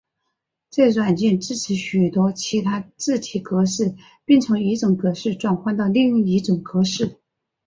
这软件支持许多其他字体格式并从一种格式转换到另一种格式。